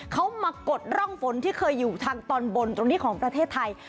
เขามากดร่องฝนที่เคยอยู่ทางตอนบนตรงนี้ของประเทศไทย